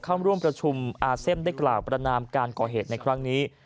เข้าร่วมประชุมอาเซียมได้กล่าวประนามการก่อเหตุในครั้งนี้